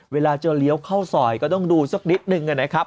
เวลาจะเลี้ยวเข้าซอยก็ต้องดูสักนิดนึงนะครับ